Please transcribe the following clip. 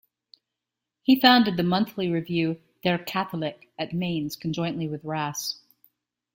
He founded the monthly review "Der Katholik" at Mainz, conjointly with Rass.